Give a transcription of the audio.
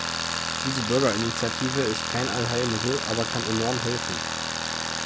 Diese Bürgerinitiative ist kein Allheilmittel, aber kann enorm helfen.